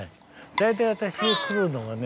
大体私が来るのがね